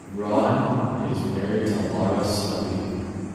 Raun is married to Laura Slippy.